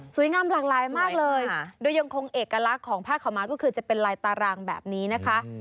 งามหลากหลายมากเลยโดยยังคงเอกลักษณ์ของผ้าขาวม้าก็คือจะเป็นลายตารางแบบนี้นะคะ